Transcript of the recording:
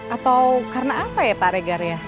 atau karena apa ya pak regar ya